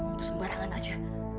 untuk sembarangan aja